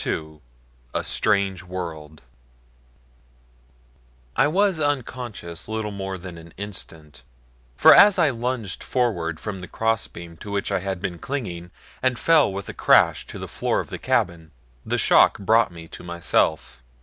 II A STRANGE WORLD I WAS UNCONSCIOUS LITTLE MORE THAN AN INSTANT, for as I lunged forward from the crossbeam to which I had been clinging, and fell with a crash to the floor of the cabin, the shock brought me to myself.